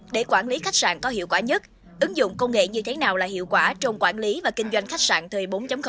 để quản lý khách sạn có hiệu quả nhất ứng dụng công nghệ như thế nào là hiệu quả trong quản lý và kinh doanh khách sạn thời bốn